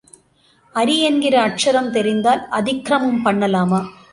அரி என்கிற அக்ஷரம் தெரிந்தால் அதிக்கிரமம் பண்ணலாமா?